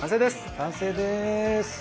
完成です。